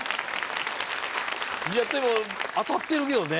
いやでも当たってるけどね。